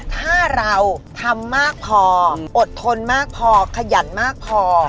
ถ้าเราทำมากพออดทนมากพอขยันมากพอ